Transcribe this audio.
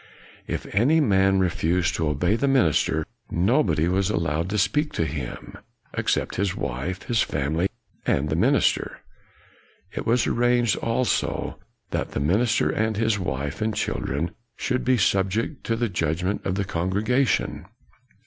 If any man refused to obey the minister, nobody was allowed to speak to him, except his wife, his family, and the minister. It was arranged also that the minister and his wife and children should be subject to the judgment of the congregation.